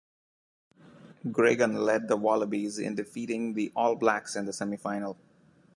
Gregan led the Wallabies in defeating the All Blacks in the semi-final.